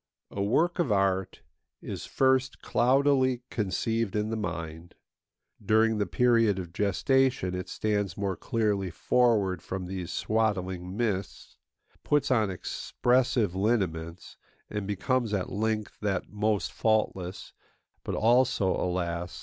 A work of art is first cloudily conceived in the mind; during the period of gestation it stands more clearly forward from these swaddling mists, puts on expressive lineaments, and becomes at length that most faultless, but also, alas!